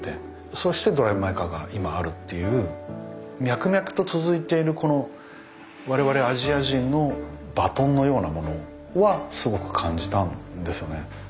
そして「ドライブ・マイ・カー」が今あるっていう脈々と続いているこの我々アジア人のバトンのようなものはすごく感じたんですよね。